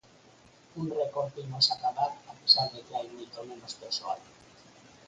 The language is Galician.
Un récord que imos acadar a pesar de que hai moito menos persoal.